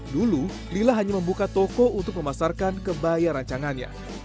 dulu lila hanya membuka toko untuk memasarkan kebaya rancangannya